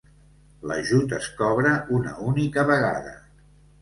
L'ajut es cobra una única vegada.